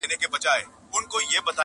اشنا د بل وطن سړی دی!.